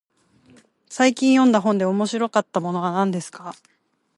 最近読んだ本で面白かったものは何ですか。